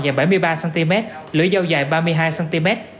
dài bảy mươi ba cm lưỡi dao dài ba mươi hai cm